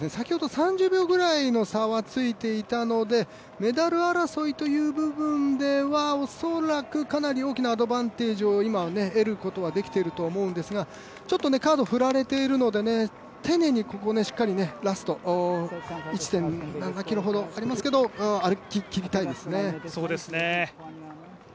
ダンフィー選手は先ほど３０秒ぐらいの差がついていたので、メダル争いという面では恐らくかなり大きなアドバンテージを得ることはできてると思うんですがちょっと川野、振られているので丁寧にここはラスト１．７ｋｍほどありますけれども、歩ききりたいですね。